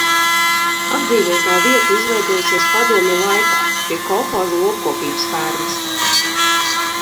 Apdzīvotā vieta izveidojusies padomju laikā pie kolhoza lopkopības fermas.